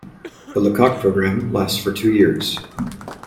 The Lecoq program lasts for two years.